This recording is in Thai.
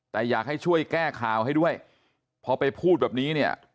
แต่อยากให้ช่วยแก้ข่าวให้ด้วยพอไปพูดแบบนี้เนี่ย